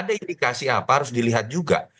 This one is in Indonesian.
jadi dikasih apa harus dilihat juga